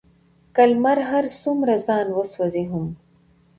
که لمر هر څومره ځان وسوزوي هم،